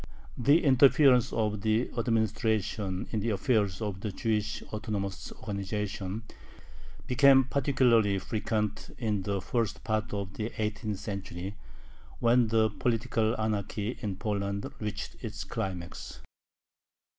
The interference of the administration in the affairs of the Jewish autonomous organization became particularly frequent in the first part of the eighteenth century, when political anarchy in Poland reached its climax.